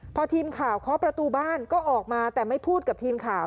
พอทีมข่าวเคาะประตูบ้านก็ออกมาแต่ไม่พูดกับทีมข่าว